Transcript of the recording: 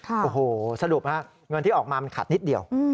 โอ้โหสรุปฮะเงินที่ออกมามันขัดนิดเดียว